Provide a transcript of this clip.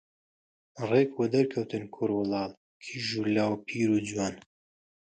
ڕێک وەدەرکەوتن کوڕوکاڵ، کیژ و لاو، پیر و جوان